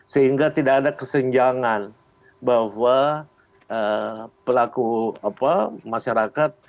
sehingga tidak ada kesenjangan bahwa pelaku masyarakat